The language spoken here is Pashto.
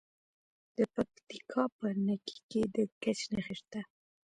د پکتیکا په نکې کې د ګچ نښې شته.